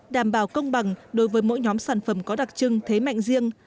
đảm bảo công bằng đối với mỗi nhóm sản phẩm có đặc trưng thế mạnh riêng